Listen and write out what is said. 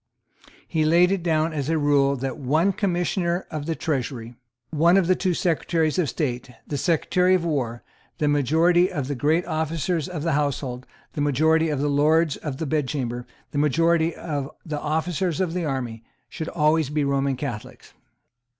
He laid it down as a rule that one Commissioner of the Treasury, one of the two Secretaries of State, the Secretary at War, the majority of the Great Officers of the Household, the majority of the Lords of the Bedchamber, the majority of the officers of the army, should always be Roman Catholics.